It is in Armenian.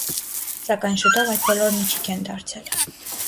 Սակայն շուտով այդ բոլորն ի չիք են դարձել։